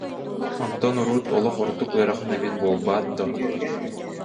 Оттон урут олох ордук ыарахан эбит буолбат дуо